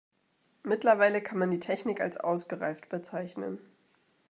Mittlerweile kann man die Technik als ausgereift bezeichnen.